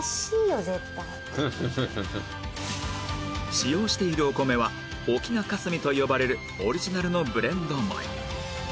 使用しているお米は翁霞と呼ばれるオリジナルのブレンド米